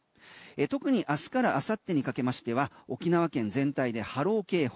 特にあすから明後日にかけましては沖縄県全体で波浪警報。